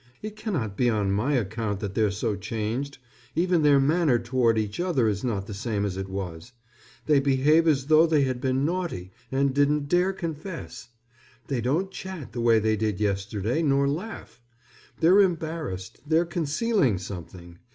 It cannot be on my account that they're so changed. Even their manner toward each other is not the same as it was. They behave as though they had been naughty and didn't dare confess. They don't chat the way they did yesterday, nor laugh. They're embarrassed, they're concealing something.